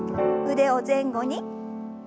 腕を前後に。